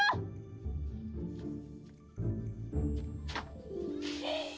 aduh lemes banget nih